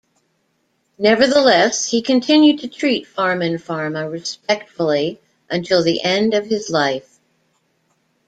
Nevertheless, he continued to treat Farman-Farma respectfully until the end of his life.